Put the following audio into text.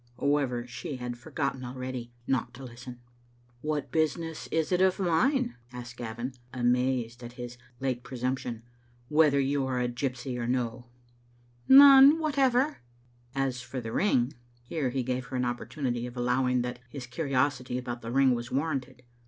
However, she had forgotten already not to listen. "What business is it of mine?" asked Gavin, amazed at his late presumption, " whether you are a gjrpsy or no?" " None whatever." " And as for the ring " Here he gave her an opportunity of allowing that his curiosity about the ring was warranted.